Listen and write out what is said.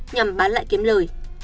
nhằm bán lại kiếm lời